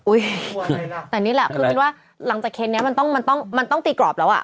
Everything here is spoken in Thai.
อุ๊ยแต่นี่แหละคือคือว่าหลังจากเคนเนี่ยมันต้องตีกรอบแล้วอะ